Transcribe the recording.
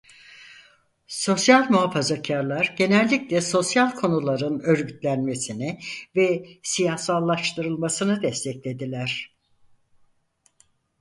Sosyal muhafazakârlar genellikle sosyal konuların örgütlenmesini ve siyasallaştırılmasını desteklediler.